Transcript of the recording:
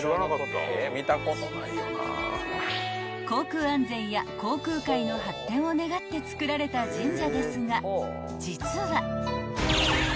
［航空安全や航空界の発展を願ってつくられた神社ですが実は］